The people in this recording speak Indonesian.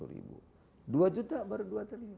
rp dua baru rp dua